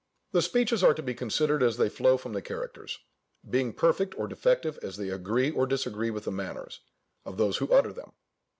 The speeches are to be considered as they flow from the characters; being perfect or defective as they agree or disagree with the manners, of those who utter them.